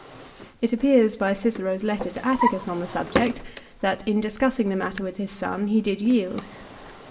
It appears by Cicero's letter to Atticus on the subject 1 that in discussing the matter with his son he did yield.